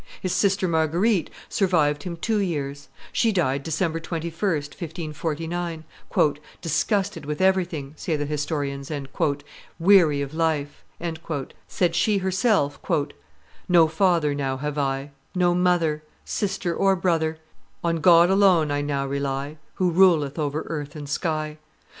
His sister Marguerite survived him two years (she died December 21, 1549,) "disgusted with everything," say the historians, and "weary of life," said she herself: "No father now have I, no mother, Sister or brother. On God alone I now rely, Who ruleth over earth and sky.